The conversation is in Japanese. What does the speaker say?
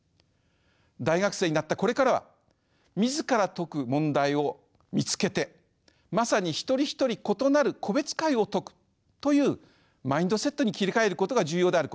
大学生になったこれからは自ら解く問題を見つけてまさに一人一人異なる個別解を解くというマインドセットに切り替えることが重要であること。